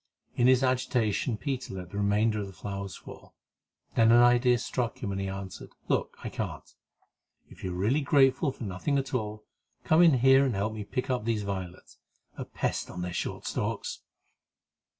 In his agitation Peter let the remainder of the flowers fall. Then an idea struck him, and he answered: "Look! I can't; if you are really grateful for nothing at all, come in here and help me to pick up these violets—a pest on their short stalks!"